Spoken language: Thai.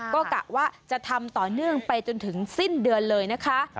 ก็กะว่าจะทำต่อเนื่องไปจนถึงสิ้นเดือนเลยนะคะ